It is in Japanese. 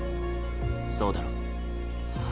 そうだろ？